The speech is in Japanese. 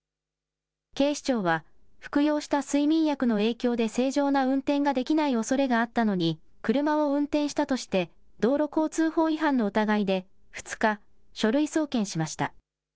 警視庁は、服用した睡眠薬の影響で正常な運転ができないおそれがあったのに、車を運転したとして、道路交通法違反の疑いで、２日、書類送検しました。